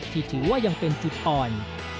ที่ถือว่ายังเป็นจุดอ่อน